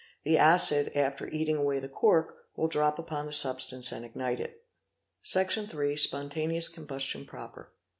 The acid after eating away the cork, will drop upon the substance and ignite it. Section iiiit Spontaneous combustion proper.